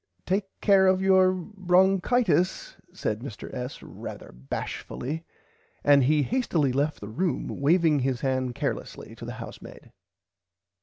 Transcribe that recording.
Take care of your bronkitis said Mr S. rarther bashfully and he hastilly left the room waving his hand carelessly to the housemaid.